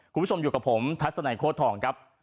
คุณผู้ชมอยู่กับผมทัศนัยโค้ดทองครับ